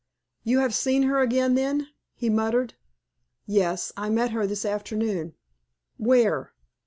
"You have seen her again, then?" he muttered. "Yes; I met her this afternoon." "Where?"